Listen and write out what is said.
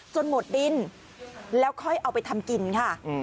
หมดดินแล้วค่อยเอาไปทำกินค่ะ